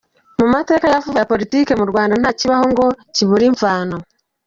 Mu mateka ya vuba ya politiki mu Rwanda nta kibaho ngo kibure imvano.